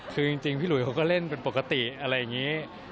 คือจริงพี่หลุยเขาก็เล่นเป็นปกติอะไรอย่างนี้